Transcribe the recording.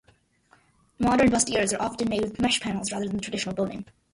Modern bustiers are often made with mesh panels rather than the traditional boning.